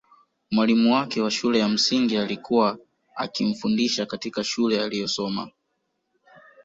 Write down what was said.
Mwalimu wake wa shule ya msingi aliyekuwa akimfundisha katika shule aliyosoma